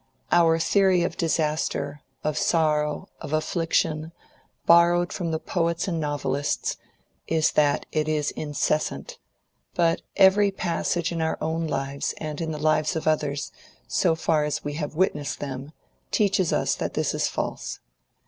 Our theory of disaster, of sorrow, of affliction, borrowed from the poets and novelists, is that it is incessant; but every passage in our own lives and in the lives of others, so far as we have witnessed them, teaches us that this is false.